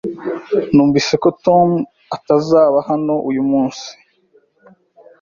Numvise ko Tom atazaba hano uyu munsi.